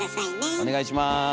お願いします。